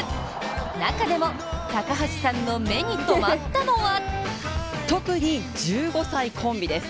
中でも高橋さんの目に留まったのは特に、１５歳コンビです。